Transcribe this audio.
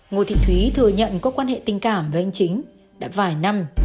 ngô thị thúy thừa nhận có quan hệ tình cảm với anh chính đã vài năm